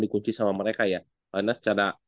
dikunci sama mereka ya karena secara